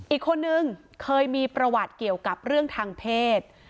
อีกคนนึงเคยมีประวัติเกี่ยวกับเรื่องทางเพศ